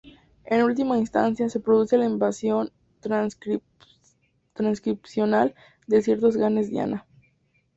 En última instancia, se produce la activación transcripcional de ciertos genes diana.